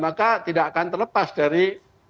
maka tidak akan terlepas dari